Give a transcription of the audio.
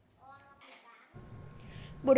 bộ đội biên phòng tỉnh lào cai